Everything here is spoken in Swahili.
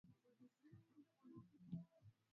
yaliotokea mnamo mwaka elfu mbili na tano